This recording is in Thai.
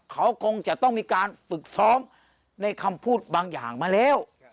เขาคงจะต้องมีการฝึกซ้อมในคำพูดบางอย่างมาแล้ว